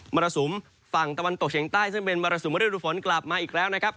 รสุมฝั่งตะวันตกเฉียงใต้ซึ่งเป็นมรสุมฤดูฝนกลับมาอีกแล้วนะครับ